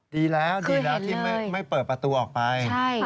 ดีแล้วดีแล้วที่ไม่เปิดประตูออกไป